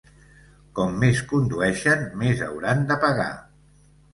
Com més condueixen, més hauran de pagar.